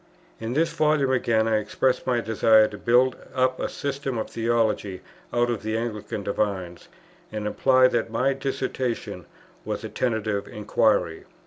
In this Volume again, I express my desire to build up a system of theology out of the Anglican divines, and imply that my dissertation was a tentative Inquiry.